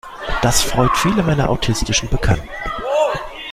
Das freut viele meiner autistischen Bekannten.